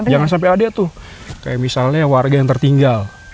jangan sampai ada tuh kayak misalnya warga yang tertinggal